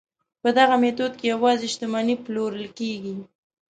په دغه میتود کې یوازې شتمنۍ پلورل کیږي.